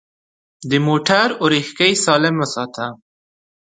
د موټر اورېښکۍ سالم وساته.